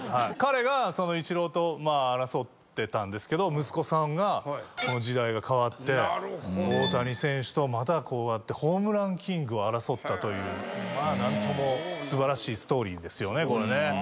彼がイチローと争ってたんですけど息子さんが時代が変わって大谷選手とまたこうやってホームランキングを争ったというまあ何とも素晴らしいストーリーですよねこれね。